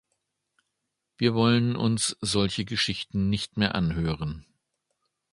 Wir wollen uns solche Geschichten nicht mehr anhören.